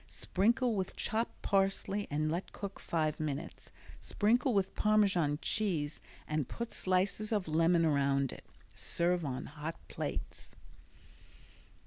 Sprinkle with chopped parsley and let cook five minutes. Sprinkle with Parmesan cheese and put slices of lemon around it. Serve on hot plates.